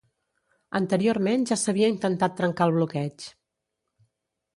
Anteriorment ja s'havia intentat trencar el bloqueig.